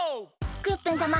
クヨッペンさま